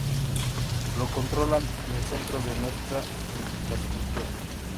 lo controlan en el centro de nuestra infraestructura digital